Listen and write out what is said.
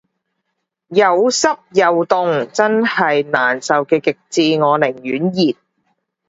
有濕又凍真係難受嘅極致，我寧願熱